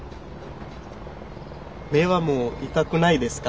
目はもう痛くないですか？